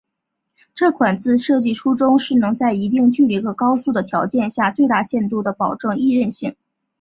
这款字设计初衷是能在一定距离和高速的条件下最大限度地保证易认性。